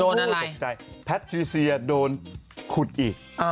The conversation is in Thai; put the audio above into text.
โดนอะไรสกใจแพทรีเซียโดนขุดอีก